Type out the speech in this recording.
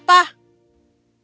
katakan ayah kumohon